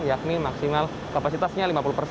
yakni maksimal kapasitasnya lima puluh persen